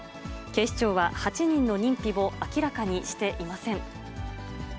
警視庁は、８人の認否を明らかにしていません。